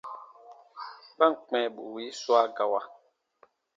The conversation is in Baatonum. Ba ǹ kpɛ̃ bù wii swa gawa,